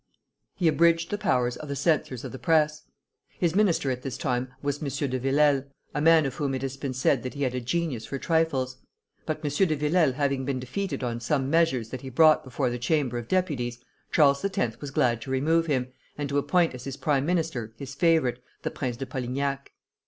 He abridged the powers of the censors of the Press. His minister at this time was M. de Villèle, a man of whom it has been said that he had a genius for trifles; but M. de Villèle having been defeated on some measures that he brought before the Chamber of Deputies, Charles X. was glad to remove him, and to appoint as his prime minister his favorite, the Prince de Polignac.